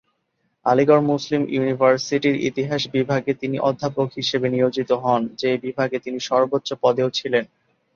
আলিগড় মুসলিম ইউনিভার্সিটির ইতিহাস বিভাগে তিনি অধ্যাপক হিসেবে নিয়োজিত হন, যে বিভাগে তিনি সর্বোচ্চ পদেও ছিলেন।